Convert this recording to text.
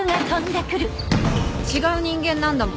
違う人間なんだもん。